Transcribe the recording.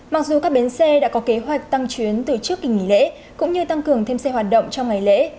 mặc dù các bến xe đã có kế hoạch tăng chuyến từ trước kỳ nghỉ lễ cũng như tăng cường thêm xe hoạt động trong ngày lễ